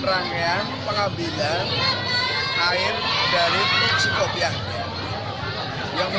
dan rangkaian pengambilan air dari tuk sikopiah